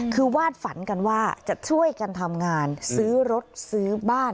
คือวาดฝันกันว่าจะช่วยกันทำงานซื้อรถซื้อบ้าน